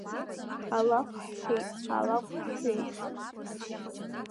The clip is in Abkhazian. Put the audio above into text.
Алаф ҳҳәеит, алакә ҳҳәеит.